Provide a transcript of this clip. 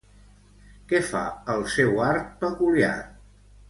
Què fa el seu art peculiar?